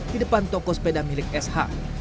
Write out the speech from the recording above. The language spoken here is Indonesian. di depan toko sepeda milik sh